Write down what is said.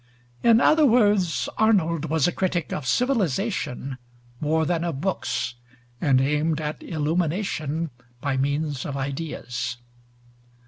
In other words, Arnold was a critic of civilization more than of books, and aimed at illumination by means of ideas.